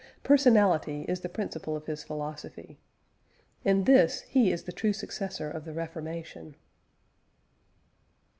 Personality is the principle of his philosophy. In this he is the true successor of the Reformation.